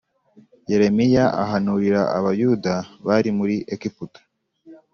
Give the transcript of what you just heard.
Yeremiya ahanurira Abayuda bari muri Egiputa.